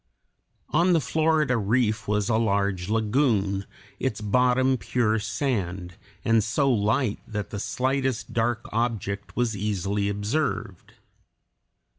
On the Florida Reef was a large lagoon, its bottom pure sand, and so light that the slightest dark object was easily observed.